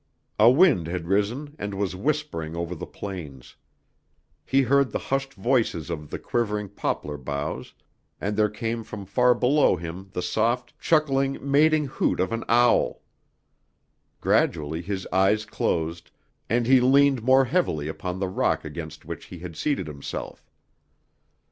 A wind had risen and was whispering over the plains; he heard the hushed voices of the quivering poplar boughs, and there came from far below him the soft, chuckling, mating hoot of an owl. Gradually his eyes closed, and he leaned more heavily upon the rock against which he had seated himself.